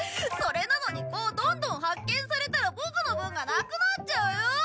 それなのにこうどんどん発見されたらボクの分がなくなっちゃうよ。